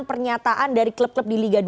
pernyataan dari klub klub di liga dua